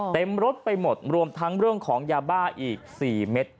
เต็มรถไปหมดรวมทั้งเรื่องของยาบ้าอีก๔เม็ด